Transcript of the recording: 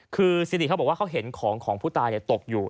คือสิริเขาบอกว่าเขาเห็นของของผู้ตายตกอยู่